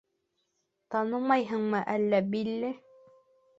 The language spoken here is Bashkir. — Танымайһыңмы әллә, Билли?